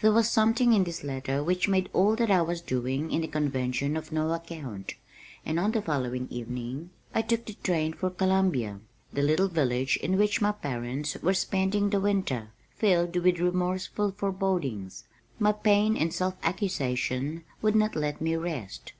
There was something in this letter which made all that I was doing in the convention of no account, and on the following evening I took the train for Columbia, the little village in which my parents were spending the winter, filled with remorseful forebodings. My pain and self accusation would not let me rest.